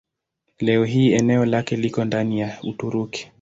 Leo hii eneo lake liko ndani ya Uturuki.